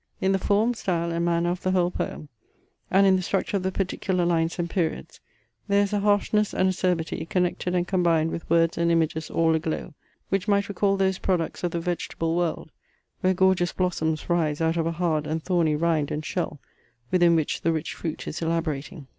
In the form, style, and manner of the whole poem, and in the structure of the particular lines and periods, there is a harshness and acerbity connected and combined with words and images all a glow, which might recall those products of the vegetable world, where gorgeous blossoms rise out of a hard and thorny rind and shell, within which the rich fruit is elaborating.